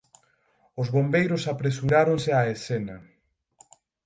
Os bombeiros apresuráronse á escena.